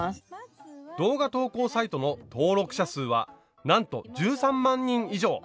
動画投稿サイトの登録者数はなんと１３万人以上！